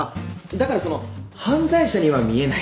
だからその犯罪者には見えないというか。